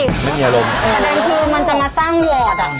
กระแดนคือมันจะมาสร้างวอร์ด